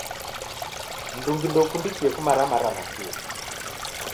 Mndungi ndoukundikie kumaramara nakio.